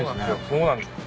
そうなんですよ。